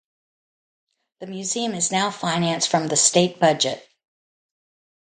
The museum is now financed from the state budget.